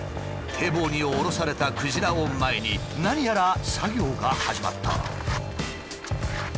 堤防に下ろされたクジラを前に何やら作業が始まった。